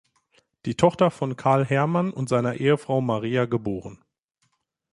Die Tochter von Karl Hermann und seiner Ehefrau Maria geb.